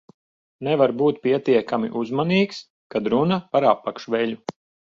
Nevar būt pietiekami uzmanīgs, kad runa par apakšveļu.